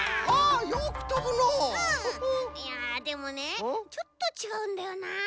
いやでもねちょっとちがうんだよな。